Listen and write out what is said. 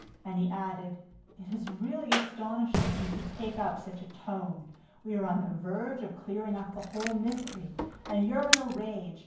And he added: "It is really astonishing that you should take up such a tone! ... We are on the verge of clearing up the whole mystery. And you're in a rage!